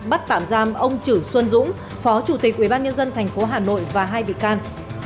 bắt tạm giam ông chử xuân dũng phó chủ tịch ubnd tp hà nội và hai bị can